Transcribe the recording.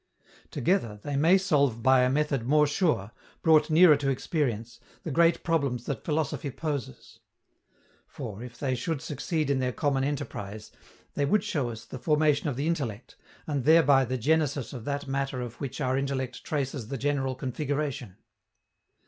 Together, they may solve by a method more sure, brought nearer to experience, the great problems that philosophy poses. For, if they should succeed in their common enterprise, they would show us the formation of the intellect, and thereby the genesis of that matter of which our intellect traces the general configuration.